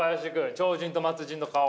超人と末人の顔。